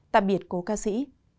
tạm biệt cô ca sĩ